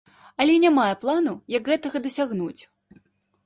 Але не маю плана, як гэтага дасягнуць.